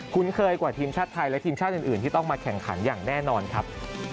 เคยกว่าทีมชาติไทยและทีมชาติอื่นที่ต้องมาแข่งขันอย่างแน่นอนครับ